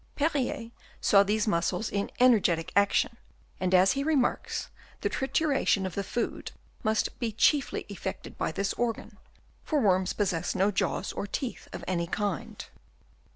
Perrier saw these muscles in energetic action ; and, as he remarks, the trituration of the food must be chiefly effected by this organ, for worms possess no jaws or teeth of any kind.